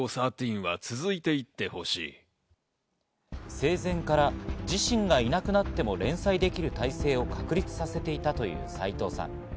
生前から自身がいなくなっても連載できる体制を確立させていたという、さいとうさん。